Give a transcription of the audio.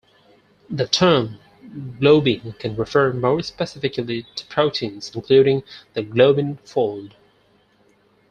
The term globin can refer more specifically to proteins including the globin fold.